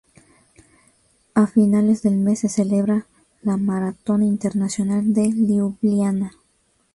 A finales del mes se celebra la Maratón Internacional de Liubliana.